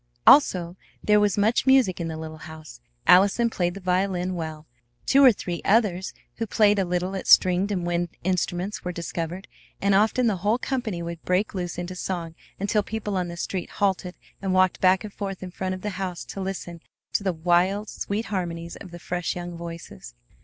Also there was much music in the little house. Allison played the violin well; two or three others who played a little at stringed and wind instruments were discovered; and often the whole company would break loose into song until people on the street halted and walked back and forth in front of the house to listen to the wild, sweet harmonies of the fresh young voices.